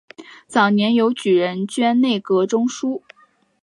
早年由举人捐内阁中书。